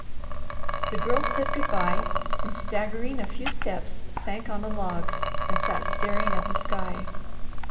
The Girl said good bye and staggering a few steps sank on a log and sat staring at the sky.